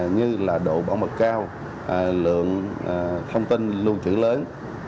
như là độ bảo mật cao lượng thông tin lưu trữ lớn